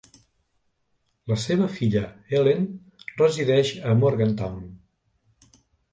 La seva filla Ellen resideix a Morgantown.